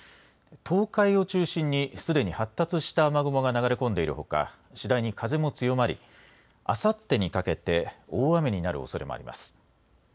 東海を中心に、すでに発達した雨雲が流れ込んでいるほか、次第に風も強まり、あさってにかけて大雨になるおそれがあります。